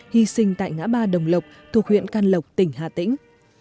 hy sinh tại ngã ba đồng lộc thuộc huyện can lộc tỉnh hà tĩnh